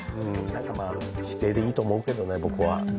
指定でいいと思うけどな、僕は。